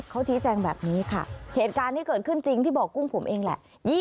เขาชี้แจงแบบนี้ค่ะเหตุการณ์ที่เกิดขึ้นจริงที่บ่อกุ้งผมเองแหละ